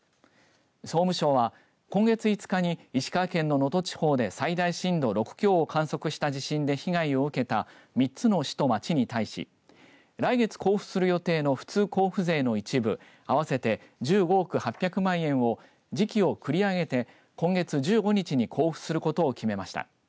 総務省は今月５日に石川県の能登地方で最大震度６強を観測した地震で被害を受けた３つの市と町に対し来月交付する予定の普通交付税の一部あわせて１５億８００万円を時期を繰り上げて、今月１５日に交付することを決めました。